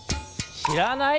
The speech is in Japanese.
しらない？